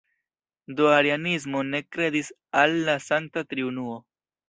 Do arianismo ne kredis al la Sankta Triunuo.